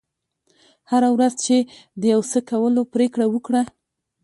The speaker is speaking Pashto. هره ورځ چې د یو څه کولو پرېکړه وکړه.